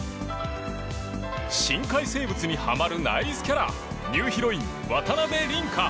深海生物にハマるナイスキャラニューヒロイン